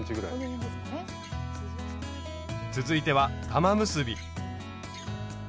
続いては玉結び。